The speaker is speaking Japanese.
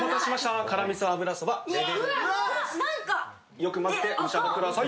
よく混ぜてお召し上がりください。